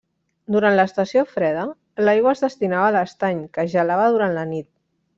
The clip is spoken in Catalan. Durant l'estació freda l'aigua es destinava a l'estany, que es gelava durant la nit.